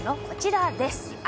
こちらです！